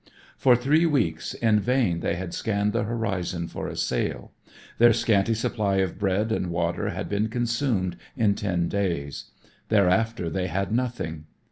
For three weeks in vain they had scanned the horizon for a sail. Their scanty supply of bread and water had been consumed in ten days. Thereafter they had nothing.